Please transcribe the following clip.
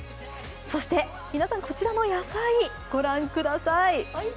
そして皆さんこちらの野菜、ご覧ください。